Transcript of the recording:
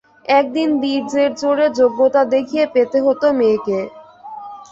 একদিন বীর্যের জোরে যোগ্যতা দেখিয়ে পেতে হত মেয়েকে।